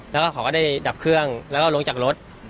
แล้วก็เขาก็ได้ดับเครื่องแล้วก็ลงจากรถ